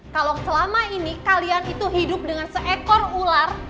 kalau selama ini kalian itu hidup dengan seekor ular